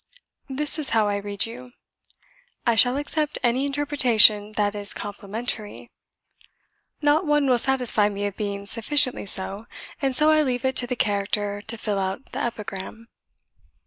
"This is how I read you: " "I shall accept any interpretation that is complimentary." "Not one will satisfy me of being sufficiently so, and so I leave it to the character to fill out the epigram."